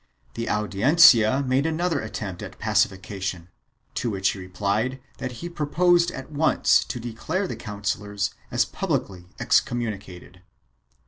The Audiencia made another attempt at pacification to which he replied that he proposed at once to declare the councillors as publicly excommunicated.